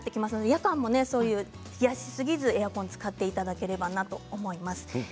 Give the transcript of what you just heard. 夜間も冷やしすぎずエアコンを使っていただければなと思います。